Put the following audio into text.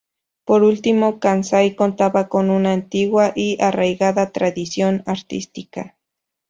Por último Kansai contaba con una antigua y arraigada tradición artística.